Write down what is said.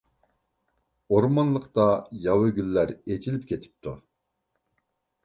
ئورمانلىقتا ياۋا گۈللەر ئېچىلىپ كېتىپتۇ.